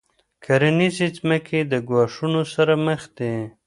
کرنیزې ځمکې له ګواښونو سره مخ دي.